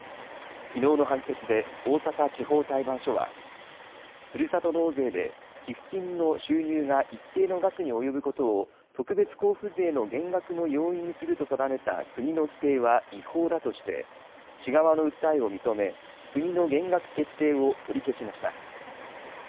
きのうの判決で大阪地方裁判所は、ふるさと納税で寄付金の収入が一定の額に及ぶことを、特別交付税の減額の要因にすると定めた国の規定は違法だとして、市側の訴えを認め、国の減額決定を取り消しました。